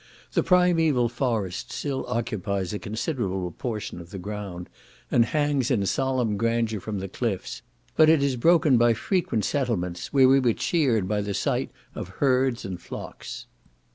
The primaeval forest still occupies a considerable portion of the ground, and hangs in solemn grandeur from the cliffs; but it is broken by frequent settlements, where we were cheered by the sight of herds and flocks.